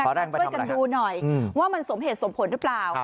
ช่วยกันดูหน่อยว่ามันสมเหตุสมผลหรือเปล่า